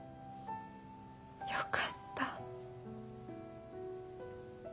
よかった。